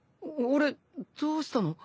どうしたの？